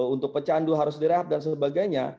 untuk pecandu harus direhab dan sebagainya